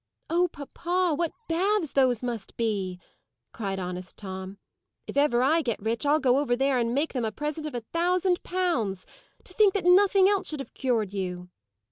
"Oh, papa! What baths those must be!" cried honest Tom. "If ever I get rich, I'll go over there and make them a present of a thousand pounds. To think that nothing else should have cured you!"